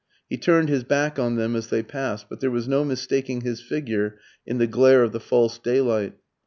He turned his back on them as they passed, but there was no mistaking his figure in the glare of the false daylight.